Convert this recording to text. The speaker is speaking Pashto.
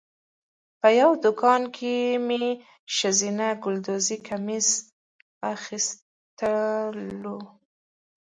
په یوه دوکان کې مې ښځینه ګلدوزي کمیس اخیستلو.